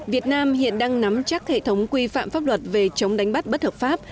việt nam hiện đang nắm chắc hệ thống quy phạm pháp luật về chống đánh bắt bất hợp pháp